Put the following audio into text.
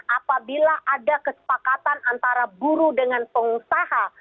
apabila ada kesepakatan antara buruh dengan pengusaha